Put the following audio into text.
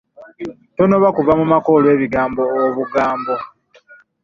Tonoba kuva mu maka olw'ebigambo obugambo.